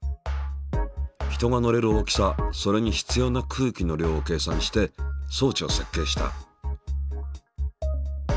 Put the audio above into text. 人が乗れる大きさそれに必要な空気の量を計算して装置を設計した。